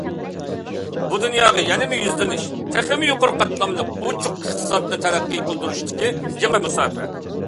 بۇ، دۇنياغا يەنىمۇ يۈزلىنىش، تېخىمۇ يۇقىرى قاتلاملىق ئوچۇق ئىقتىسادنى تەرەققىي قىلدۇرۇشتىكى يېڭى مۇساپە.